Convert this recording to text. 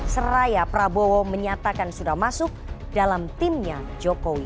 seraya prabowo menyatakan sudah masuk dalam timnya jokowi